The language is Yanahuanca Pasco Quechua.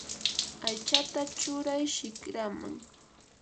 aychata churay shikraman.